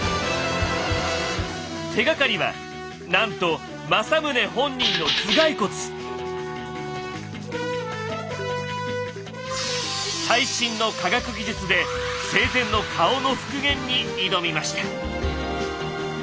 手がかりはなんと最新の科学技術で生前の顔の復元に挑みました！